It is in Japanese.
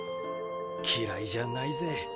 嫌いじゃないぜ。